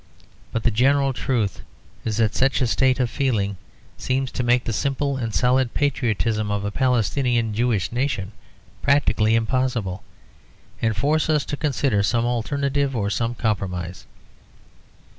But the general truth is that such a state of feeling seems to make the simple and solid patriotism of a Palestinian Jewish nation practically impossible, and forces us to consider some alternative or some compromise.